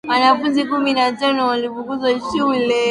wanafunzi kumi na tano walifukuzwa shule